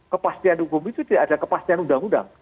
kepastian hukum itu tidak ada kepastian undang undang